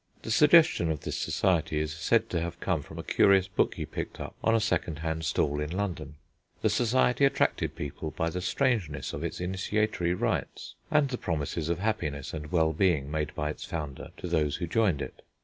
The suggestion of this society is said to have come from a curious book he picked up on a second hand stall in London. The society attracted people by the strangeness of its initiatory rites, and the promises of happiness and wellbeing made by its founder to those who joined it.